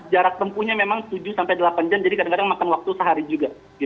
jarak tempuhnya memang tujuh sampai delapan jam jadi kadang kadang makan waktu sehari juga